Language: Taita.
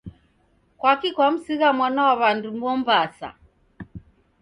Kwaki kwamsigha mwana wa w'andu Mombasa?